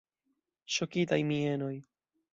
Ŝokitaj mienoj.